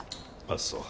あっそう。